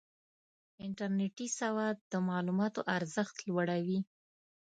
انټرنېټي سواد د معلوماتو ارزښت لوړوي.